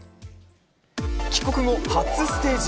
帰国後、初ステージ。